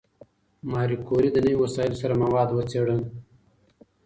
ماري کوري د نوي وسایلو سره مواد وڅېړل.